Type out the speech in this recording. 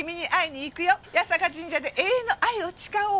「八坂神社で永遠の愛を誓おう。